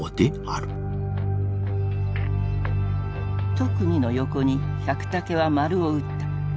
「特に」の横に百武はマルを打った。